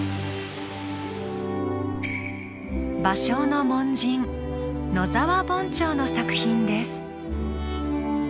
芭蕉の門人野沢凡兆の作品です。